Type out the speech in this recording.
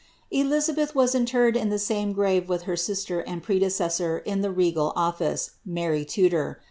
Elizabeth was interred in the same grave with her sister and prede cessor in the regal office, Mary Tudor.